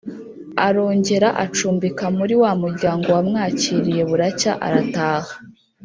arongera acumbika muri wa muryango wamwakiriye buracya arataha